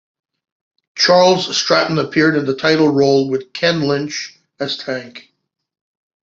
Charles Stratton appeared in the title role with Ken Lynch as Tank.